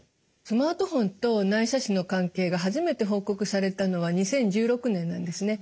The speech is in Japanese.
スマートフォンと内斜視の関係が初めて報告されたのは２０１６年なんですね。